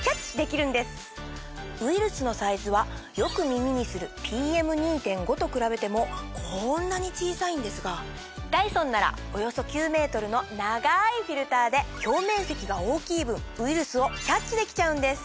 ウイルスのサイズはよく耳にするＰＭ２．５と比べてもこんなに小さいんですがダイソンならおよそ９ｍの長いフィルターで表面積が大きい分ウイルスをキャッチできちゃうんです。